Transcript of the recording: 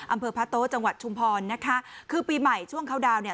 อำเภอพระโต๊ะจังหวัดชุมพรนะคะคือปีใหม่ช่วงเขาดาวนเนี่ย